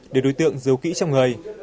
để đối tượng giấu kỹ trong người